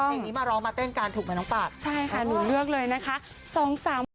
นี่มาร้องมาเต้นการถูกไหมน้องบับใช่ค่ะหนูเลือกเลยนะคะสองสาม